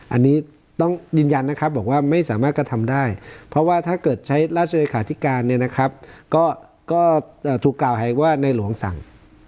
อันนี้ต้องยืนยันนะครับบอกว่าไม่สามารถกระทำได้เพราะว่าถ้าเกิดใช้ราชเลขาธิการเนี่ยนะครับก็ถูกกล่าวหาว่าในหลวงสั่ง